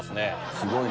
すごいね。